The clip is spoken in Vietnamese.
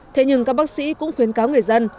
thế nhưng các bác sĩ cũng khuyến cáo người dân